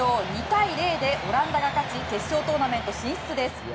２対０でオランダが勝ち決勝トーナメント進出。